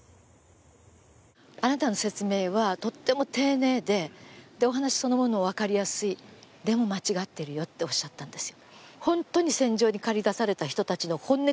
あなたの説明はとっても丁寧でお話そのものも分かりやすい、でも、間違ってるよとおっしゃったんですよ。